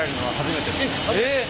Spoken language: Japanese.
えっ！